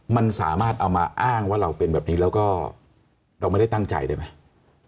มันสามารถเอามาอ้างว่าเราเป็นแบบนี้แล้วก็เราไม่ได้ตั้งใจได้ไหม